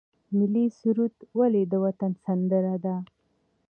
ملي سرود ولې د وطن سندره ده؟